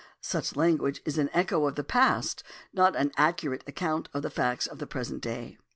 »Such lan guage is an echo of the past, not an accurate account of the facts of the present day.